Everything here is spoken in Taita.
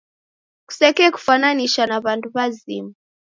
Kusekekufwananisha na w'andu w'azima.